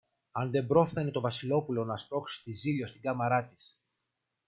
αν δεν πρόφθαινε το Βασιλόπουλο να σπρώξει τη Ζήλιω στην κάμαρα της